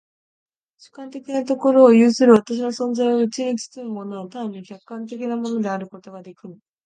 主観的なところを有する私の存在をうちに包むものは単に客観的なものであることができぬ。